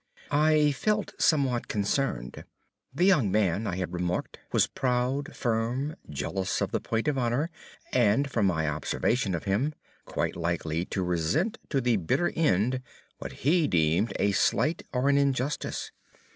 I felt somewhat concerned. The young man, I had remarked, was proud, firm, jealous of the point of honor, and, from my observation of him, quite likely to resent to the bitter end what he deemed a slight or an injustice.